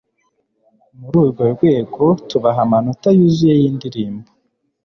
muri urworwego tubaha amanota yuzuye y'indirimbo